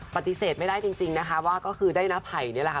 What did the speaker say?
ปฏิเสธไม่ได้จริงนะคะว่าก็คือได้น้าไผ่นี่แหละค่ะ